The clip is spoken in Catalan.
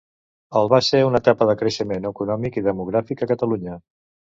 El va ser una etapa de creixement econòmic i demogràfic a Catalunya.